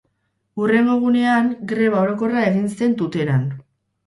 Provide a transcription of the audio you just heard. Hurrengo egunean greba orokorra egin zen Tuteran.